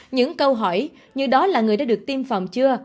những câu hỏi như đó là người đã được tiêm phòng chưa